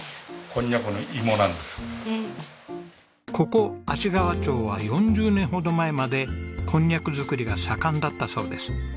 ここ芦川町は４０年ほど前までコンニャク作りが盛んだったそうです。